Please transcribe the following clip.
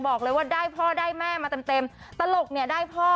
บอกเลยว่าได้พ่อได้แม่มาเต็มเต็มตลกเนี่ยได้พ่อ